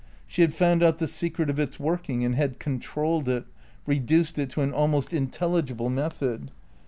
She had found out the secret of its working and had controlled it, reduced it to an almost intelligible method.